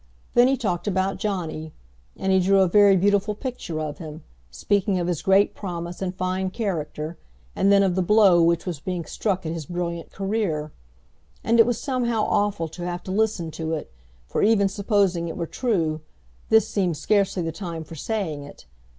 Then he talked about Johnny, and he drew a very beautiful picture of him, speaking of his great promise and fine character and then of the blow which was being struck at his brilliant career; and it was somehow awful to have to listen to it, for even supposing it were true, this seemed scarcely the time for saying it.